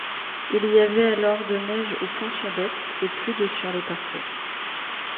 Il y avait alors de neige aux Plans-sur-Bex et plus de sur les parcours.